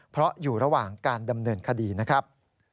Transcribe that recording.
เพราะอยู่ระหว่างการดำเนินคดีนะครับ